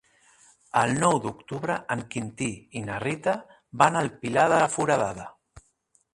El nou d'octubre en Quintí i na Rita van al Pilar de la Foradada.